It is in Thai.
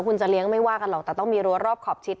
คุณจะเลี้ยงไม่ว่ากันหรอกแต่ต้องมีรั้วรอบขอบชิด